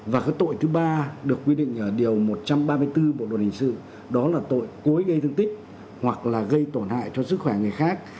và cái tội thứ ba được quy định ở điều một trăm ba mươi bốn bộ luật hình sự đó là tội cố ý gây thương tích hoặc là gây tổn hại cho sức khỏe người khác